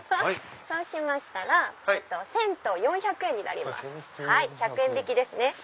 １００円引きですね。